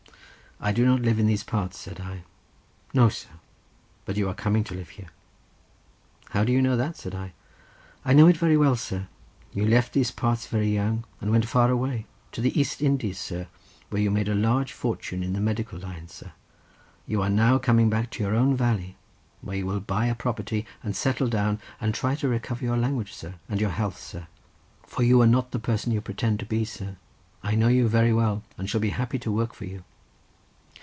"I do not live in these parts," said I. "No, sir; but you are coming to live here." "How do you know that?" said I. "I know it very well, sir; you left these parts very young, and went far away—to the East Indies, sir, where you made a large fortune in the medical line, sir; you are now coming back to your own valley, where you will buy a property, and settle down, and try to recover your language, sir, and your health, sir; for you are not the person you pretend to be, sir; I know you very well, and shall be happy to work for you."